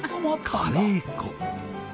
カレー粉。